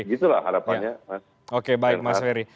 itulah harapannya oke baik bang ferry